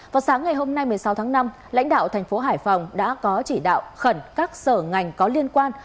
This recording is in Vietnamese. vào sáng ngày hôm nay một mươi sáu tháng năm lãnh đạo thành phố hải phòng đã có chỉ đạo khẩn các sở ngành có liên quan